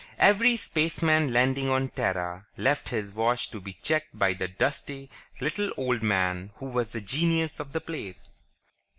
Every spaceman landing on Terra left his watch to be checked by the dusty, little old man who was the genius of the place.